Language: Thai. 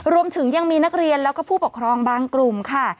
รวมถึงยังมีนักเรียนแล้วก็ผู้ปกครองบางกลุ่มค่ะ